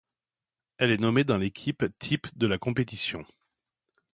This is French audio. Elle est nommée dans l'équipe type de la compétition.